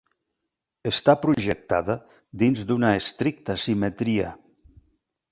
Està projectada dins d'una estricta simetria.